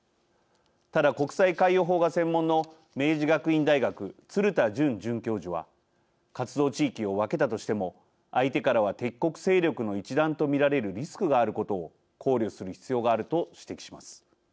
ただ国際海洋法が専門の明治学院大学、鶴田順准教授は活動地域を分けたとしても相手からは敵国勢力の一団と見られるリスクがあることを考慮する必要があると指摘します。